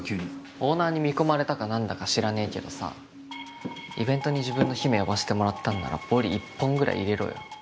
オーナーに見込まれたか何だか知らねぇけどさイベントに自分の姫呼ばしてもらったんならヴォリ１本ぐらい入れろよ。